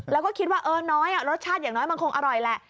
แล้วก็คิดว่าเออน้อยรสชาติอย่างน้อยมันคงอร่อยแหละ